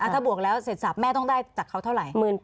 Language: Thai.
ถ้าบวกแล้วเสร็จสับแม่ต้องได้จากเขาเท่าไหร่